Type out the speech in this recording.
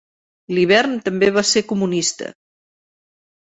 L'hivern també va ser comunista.